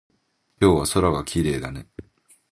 今日は空がきれいだね。